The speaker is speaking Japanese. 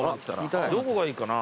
どこがいいかな？